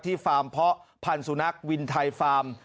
ที่ฟาร์มเพาะพันธุ์สุนัขวินไทยฟาร์ม